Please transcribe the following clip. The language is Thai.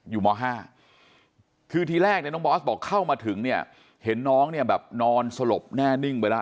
ม๕คือทีแรกเนี่ยน้องบอสบอกเข้ามาถึงเนี่ยเห็นน้องเนี่ยแบบนอนสลบแน่นิ่งไปแล้ว